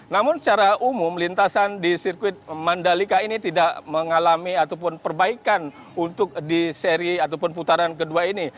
namun secara umum lintasan di sirkuit mandalika ini tidak mengalami ataupun perbaikan untuk di seri ataupun putaran kedua ini